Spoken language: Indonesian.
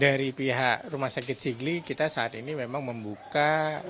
dari pihak rumah sakit sigli kita saat ini memang membuka